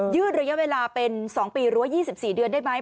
ระยะเวลาเป็น๒ปีหรือว่า๒๔เดือนได้ไหม